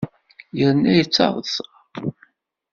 Yerna yettaḍṣa.